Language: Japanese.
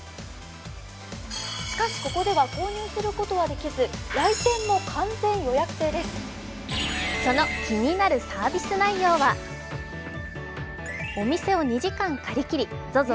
しかし、ここでは購入することはできずその気になるサービス内容はお店を２時間借り切り、ＺＯＺＯ